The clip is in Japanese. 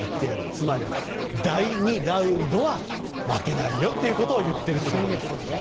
つまり第２ラウンドは負けないよっていうことを言っていると。